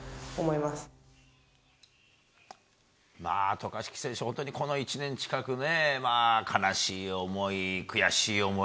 渡嘉敷選手、本当にこの１年近く悲しい思い、悔しい思い